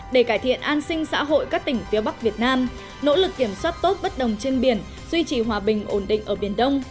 để cải thiện an sinh xã hội các tỉnh phía bắc việt nam nỗ lực kiểm soát tốt bất đồng trên biển duy trì hòa bình ổn định ở biển đông